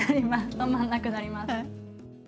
止まらなくなります。